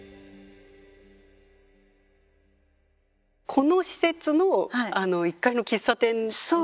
この施設の１階の喫茶店で。